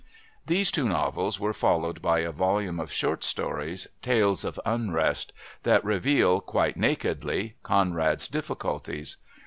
These two novels were followed by a volume of short stories, Tales of Unrest, that reveal, quite nakedly, Conrad's difficulties.